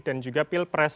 dan juga pilpres